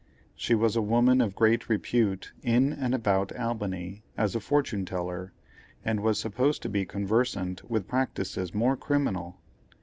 She was a woman of great repute in and about Albany, as a fortune teller, and was supposed to be conversant with practices more criminal.